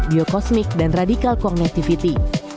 biokosmik dan radikal kognitivity